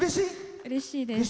うれしいです。